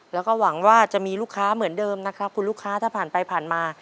แล้วก็หวังว่าจะมีลูกค้าเหมือนเดิมนะครับคุณลูกค้าถ้าผ่านไปผ่านมา